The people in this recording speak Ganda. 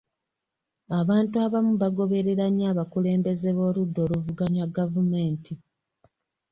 Abantu abamu bagoberera nnyo abakulembeze b'oludda oluvuganya gavumenti.